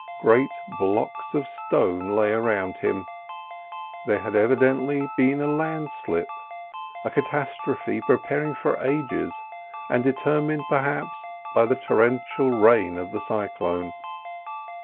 Great blocks of stone lay around him: there had evidently been a landslip, a catastrophe preparing for ages, and determined, perhaps, by the torrential rain of the cyclone.